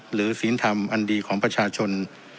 ศีลธรรมอันดีของประชาชน